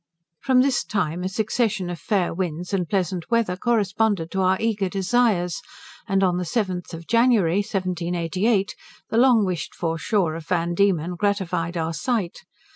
From this time a succession of fair winds and pleasant weather corresponded to our eager desires, and on the 7th of January, 1788, the long wished for shore of Van Diemen gratified our sight.